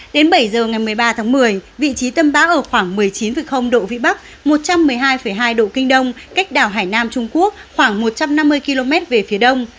đến bảy giờ ngày một mươi ba tháng một mươi vị trí tâm bão ở khoảng một mươi chín độ vĩ bắc một trăm một mươi hai hai độ kinh đông cách đảo hải nam trung quốc khoảng một trăm năm mươi km về phía đông